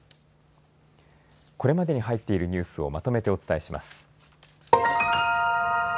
これまでに入っているニュースをまとめてお伝えします。